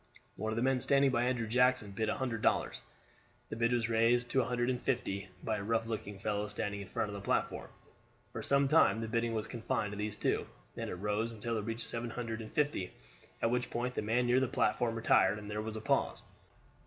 One of the men standing by Andrew Jackson bid a hundred dollars. The bid was raised to a hundred and fifty by a rough looking fellow standing in front of the platform. For some time the bidding was confined to these two, and it rose until it reached seven hundred and fifty, at which point the man near the platform retired, and there was a pause.